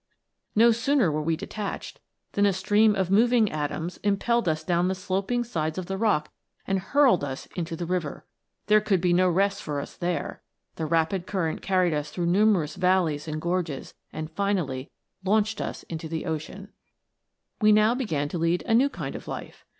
No sooner were we detached, than a stream of moving atoms impelled us down the sloping sides of the rock and hurled us into the river. There could be no rest for us there. The rapid current carried us through numerous valleys and gorges, and finally launched us into the ocean. 56 THE LIFE OF AN ATOM. " We now began to lead a new kind of life.